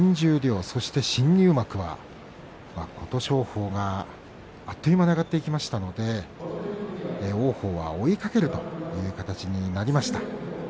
新入幕は琴勝峰があっという間に上がっていきましたので王鵬が追いかける形になりました。